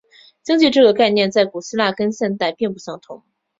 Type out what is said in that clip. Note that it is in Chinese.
经济这个概念在古希腊跟现代并不相同。